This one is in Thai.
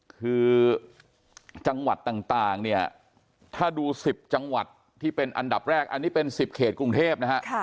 คือจังหวัดต่างเนี่ยถ้าดู๑๐จังหวัดที่เป็นอันดับแรกอันนี้เป็น๑๐เขตกรุงเทพนะฮะ